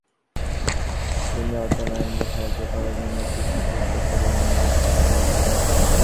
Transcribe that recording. তিনি অটোমানদের সাহায্য করার জন্য কিছু স্বেচ্ছাসেবক নিয়োগের চেষ্টা করেছিলেন।